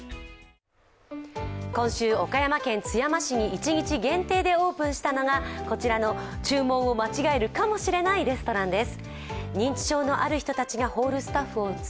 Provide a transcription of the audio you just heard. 今週、岡山県津山市に一日限定でオープンしたのがこちらの注文をまちがえるかもしれないレストランです。